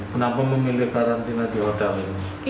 kenapa memilih karantina di hotel ini